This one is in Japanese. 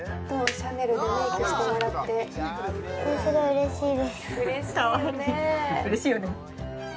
シャネルでメイクしてもらってかわいいうれしいよね